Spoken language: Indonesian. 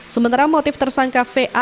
sementara motif tersangka vaf menangkap